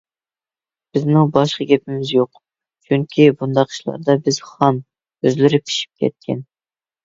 بىزنىڭ باشقا گېپىمىز يوق. چۈنكى، بۇنداق ئىشلاردا بىز خام، ئۆزلىرى پىشىپ كەتكەن.